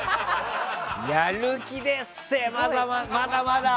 やる気でっせ、まだまだ！